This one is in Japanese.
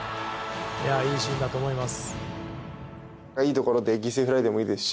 いいシーンだと思います。